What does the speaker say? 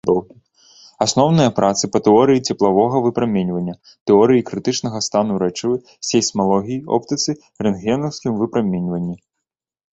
Асноўныя працы па тэорыі цеплавога выпраменьвання, тэорыі крытычнага стану рэчывы, сейсмалогіі, оптыцы, рэнтгенаўскім выпраменьванні.